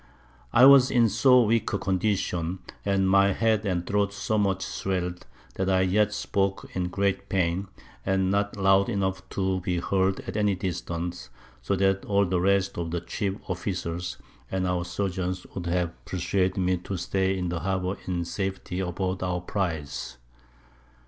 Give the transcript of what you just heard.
I was in so weak a Condition, and my Head and Throat so much swell'd, that I yet spoke in great Pain, and not loud enough to be heard at any distance; so that all the rest of the chief Officers, and our Surgeons, would have perswaded me to stay in the Harbour in Safety aboard our Prize.